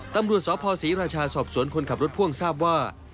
ตำรวจสพศรีราชาสอบสวนคนขับรถพ่วงทราบว่า